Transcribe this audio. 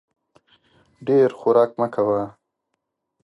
ډېر خوراک مه کوه !